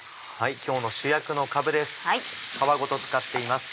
今日の主役のかぶです